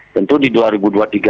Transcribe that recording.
tentu di dua ribu dua puluh tiga